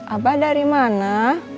abah dari mana